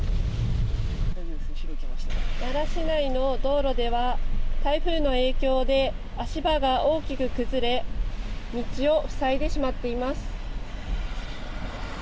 奈良市内の道路では、台風の影響で足場が大きく崩れ、道を塞いでしまっています。